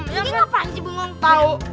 ini ngapain sih bengong tau